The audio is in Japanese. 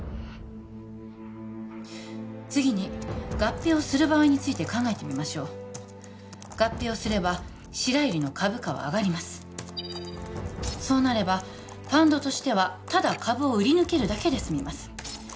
次に合併をする場合について考えてみましょう合併をすれば白百合の株価は上がりますそうなればファンドとしてはただ株を売り抜けるだけで済みます